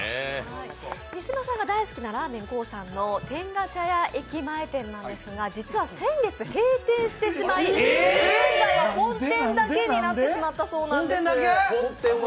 三島さんが大好きならーめんコーさんの天下茶屋駅前店なんですが実は先月、閉店してしまい、現在、本店だけになってしまったそうです。